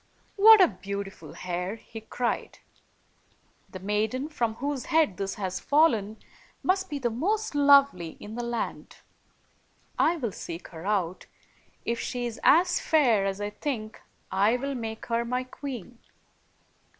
"What a beautiful hair!" he cried. "The maiden from whose head this has fallen must be the most lovely in the land. I will seek her 105 io6 out; if she is as fair as I think, I will make her my queen."